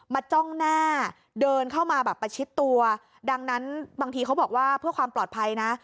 จ้องหน้าเดินเข้ามาแบบประชิดตัวดังนั้นบางทีเขาบอกว่าเพื่อความปลอดภัยนะ